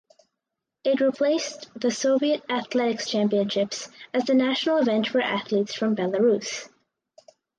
It replaced the Soviet Athletics Championships as the national event for athletes from Belarus.